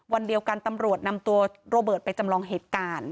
วันเดียวกันตำรวจนำตัวโรเบิร์ตไปจำลองเหตุการณ์